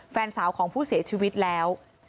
แฟนสาวของผู้เสียชีวิตแล้ว